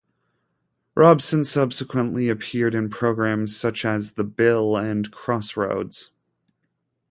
Robson subsequently appeared in programmes such as "The Bill" and "Crossroads".